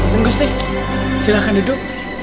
tunggu gusti silahkan duduk